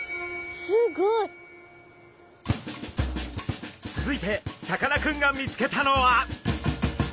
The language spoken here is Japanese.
すごい！続いてさかなクンが見つけたのは？